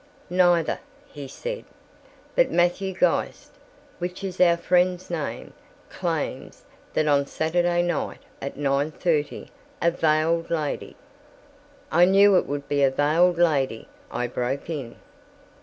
"Neither," he said. "But Matthew Geist, which is our friend's name, claims that on Saturday night, at nine thirty, a veiled lady—" "I knew it would be a veiled lady," I broke in.